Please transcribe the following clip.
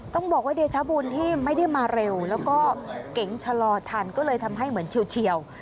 ต้องบอกว่าเดชบุญที่ไม่ได้มาเร็วแล้วก็เก๋งชะลอทันก็เลยทำให้เหมือนเฉียว